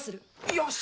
よし！